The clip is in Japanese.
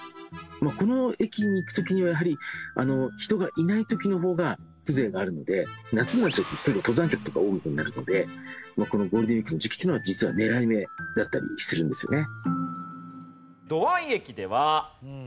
この駅に行く時にはやはり人がいない時の方が風情があるので夏になっちゃうと登山客とか多くなるのでこのゴールデンウィークの時期っていうのは実は狙い目だったりするんですよね。